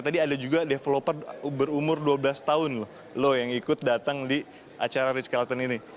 tadi ada juga developer berumur dua belas tahun loh yang ikut datang di acara rizk calton ini